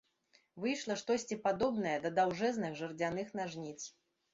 Выйшла штосьці падобнае да даўжэзных жардзяных нажніц.